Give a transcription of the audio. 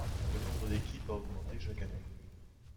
Le nombre d'équipes a augmenté chaque année.